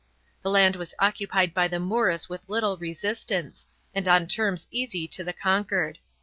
The land was occupied by the Moors with little resistance, and on terms easy to the conquered.